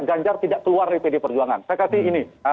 janjar tidak keluar dari pdi perjuangan saya kasih ini